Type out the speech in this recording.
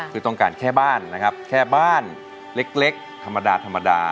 คือต้องการแค่บ้านนะครับแค่บ้านเล็กธรรมดาธรรมดา